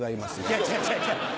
いや違う違う違う。